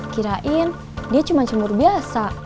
kirain dia cuma cemur biasa